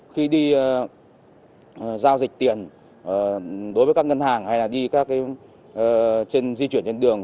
khi đi giao dịch tiền đối với các ngân hàng hay là đi các cái di chuyển trên đường